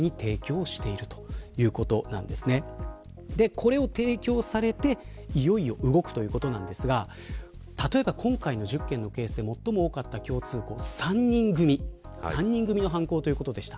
これを提供されて、いよいよ動くということなんですが例えば今回の１０件のケースで最も多かった共通項３人組の犯行ということでした。